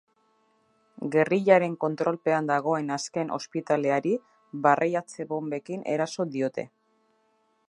Gerrilaren kontrolpean dagoen azken ospitaleari barreiatze-bonbekin eraso diote.